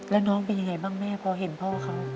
แล้วน้องเป็นยังไงบ้างแม่พอเห็นพ่อเขา